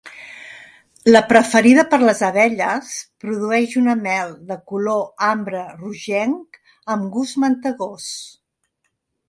La preferida per les abelles, produeix una mel de color ambre rogenc, amb gust mantegós.